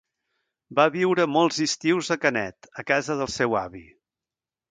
Va viure molts estius a Canet, a casa del seu avi.